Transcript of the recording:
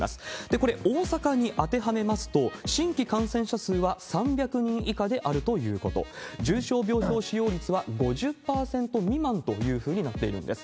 これ、大阪に当てはめますと、新規感染者数は３００人以下であるということ、重症病床使用率は５０％未満というふうになっているんです。